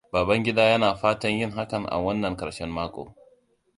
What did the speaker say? Babangida yana fatan yin hakan a wannan karshen mako.